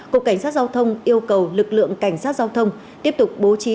cục cảnh sát giao thông yêu cầu lực lượng cảnh sát giao thông tiếp tục bố trí